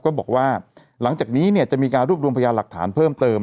ก็บอกว่าหลังจากนี้จะมีการรวบรวมพยานหลักฐานเพิ่มเติม